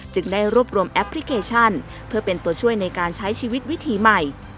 ได้รวบรวมแอปพลิเคชันเพื่อเป็นตัวช่วยในการใช้ชีวิตวิถีใหม่